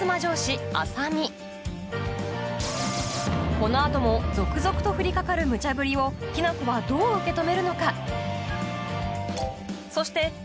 この後も続々と降りかかるムチャブリを雛子はどう受け止めるのか？